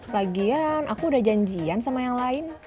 lagian aku udah janjian sama yang lain